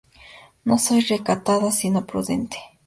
No soy recatada, sino prudente.